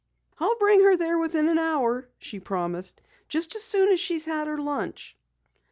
"I'll bring her there within an hour," she promised. "Just as soon as she has had her lunch."